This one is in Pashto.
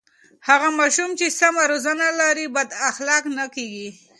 هغه ماشوم چې سمه روزنه لري بد اخلاقه نه کېږي.